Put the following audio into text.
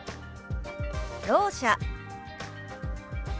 「ろう者」。